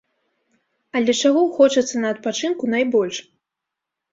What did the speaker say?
Але чаго хочацца на адпачынку найбольш?